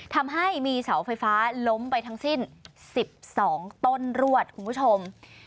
ทำให้มีเสาไฟฟ้าล้มไปทั้งสิ้น๑๒ต้นรวดคุณผู้ชม